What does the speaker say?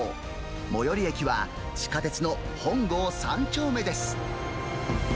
最寄り駅は、地下鉄の本郷三丁目です。